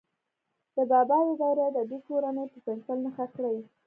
د بابا د دورې ادبي کورنۍ په پنسل نښه کړئ.